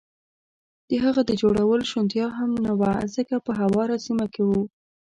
د هغه د جوړولو شونتیا هم نه وه، ځکه په هواره سیمه کې و.